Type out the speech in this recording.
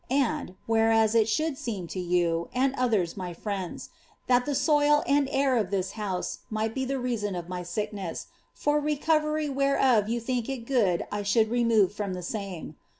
And, whereas it a>lioiiid seem to you, and others my friends, that the soil and air of this house might be the reason of my sickness, for recovery whereof you tliiiik it gootl I shoiild remove from the same.